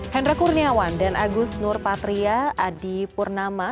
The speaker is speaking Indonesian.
hendra kurniawan dan agus nur patria adi purnama